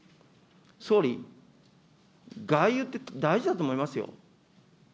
総理、外遊って、大事だと思いますよ。